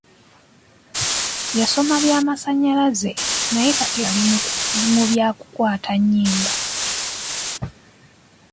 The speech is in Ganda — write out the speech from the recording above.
Yasoma eby'amasannyalaze naye kati ali mu byakukwata nnyimba.